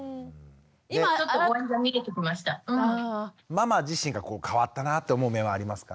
ママ自身が変わったなって思う面はありますか？